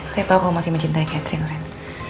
saya tahu kamu masih mencintai catering ren